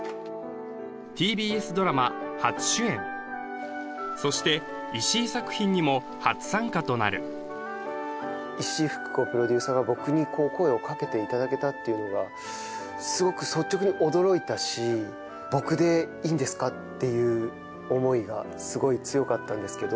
ＴＢＳドラマ初主演そして石井作品にも初参加となる石井ふく子プロデューサーが僕に声をかけていただけたっていうのがすごく率直に驚いたしっていう思いがすごい強かったんですけど